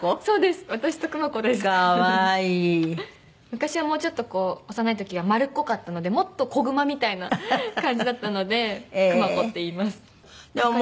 昔はもうちょっとこう幼い時は丸っこかったのでもっと子熊みたいな感じだったのでくま子っていいます。